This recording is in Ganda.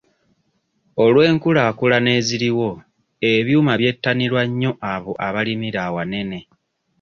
Olw'enkulaakulana eziriwo ebyuma byettanirwa nnyo abo abalimira awanene.